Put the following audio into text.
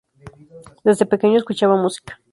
Desde pequeño escuchaba música.